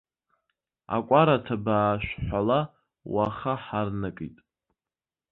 Акәара ҭабаа шәҳәала, уаха ҳарнакит!